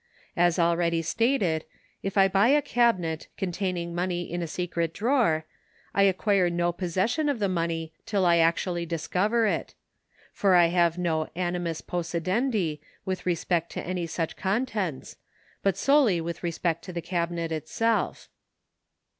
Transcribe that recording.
As already stated, if I buy a cabinet containing money in a secret drawer, I acquire no possession of the money, till I actually discover it. For I have no aniynus possidendi with respect to any such contents, but solely with respect to the cabinet itself.